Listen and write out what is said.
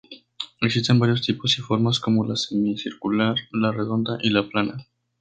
Existen varios tipos y formas como la semicircular, la redonda y la plana.